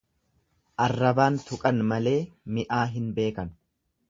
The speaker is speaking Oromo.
Arrabaan tuqan malee mi'aa hin beekan.